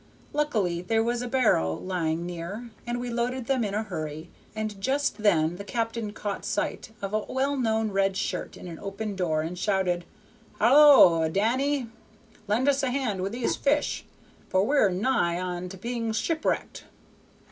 Luckily there was a barrow lying near, and we loaded that in a hurry, and just then the captain caught sight of a well known red shirt in an open door, and shouted, "Halloa, Danny! lend us a hand with these fish, for we're nigh on to being shipwrecked."